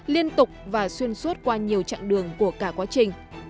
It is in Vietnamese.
liên tục và xuyên suốt qua nhiều chặng đường của cả quá trình